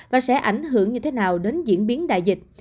và sẽ ảnh hưởng như thế nào đến diễn biến đại dịch